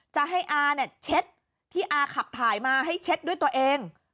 จะให้อาเนี่ยเช็ดที่อาขับถ่ายมาให้เช็ดด้วยตัวเอง